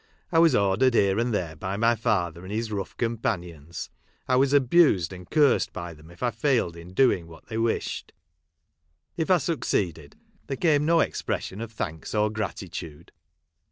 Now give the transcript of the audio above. I was ordered here and there by my father and his rough companions ; I was abused and cursed by them if I failed in doing what they wished ; if I succeeded, there came no expression of thanks or gratitude.